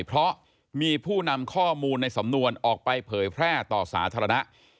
เพราะมีผู้นำข้อมูลในสำนวนออกไปเผยแพร่ต่อสาธารณะ